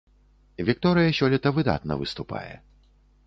Вікторыя сёлета выдатна выступае.